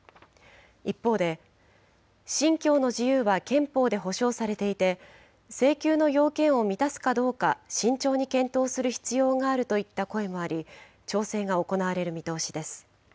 一方で、信教の自由は憲法で保障されていて、請求の要件を満たすかどうか、慎重に検討をする必要があるといった声もあり、調整が行われる見通しです。